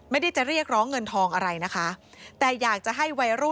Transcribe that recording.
ไม่ได้จะเรียกร้องเงินทองอะไรนะคะ